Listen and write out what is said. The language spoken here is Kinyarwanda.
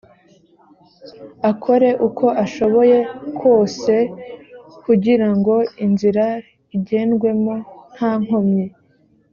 akore uko ashoboye kwose kugira ngo inzira igendwemo nta nkomyi